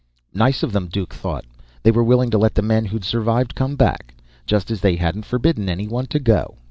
Nice of them, Duke thought. They were willing to let the men who'd survived come back, just as they hadn't forbidden anyone to go.